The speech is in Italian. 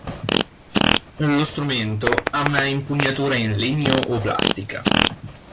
Lo strumento ha una impugnatura in legno o plastica.